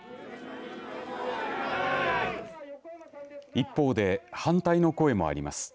一方で、反対の声もあります。